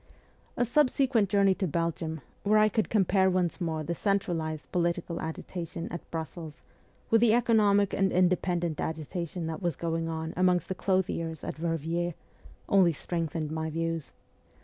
A subsequent journey to Belgium, where I could compare once more the centralized political agitation at Brussels with the economic and independent agitation that was going on amongst the clothiers at Venders, only strengthened my views.